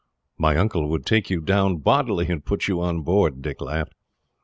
"My uncle would take you down bodily, and put you on board," Dick laughed.